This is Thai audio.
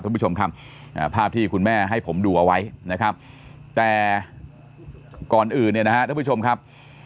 คุณผู้ชมครับภาพที่คุณแม่ให้ผมดูเอาไว้นะครับแต่ก่อนอื่นเนี่ยนะฮะท่านผู้ชมครับ